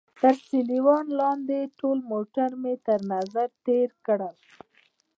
تر سایوان لاندې ټول موټرونه مې تر نظر تېر کړل.